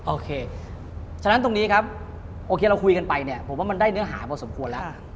โอเคฉะนั้นตรงนี้ครับโอเคเราคุยกันไปเนี่ยผมว่ามันได้เนื้อหาพอสมควรแล้ว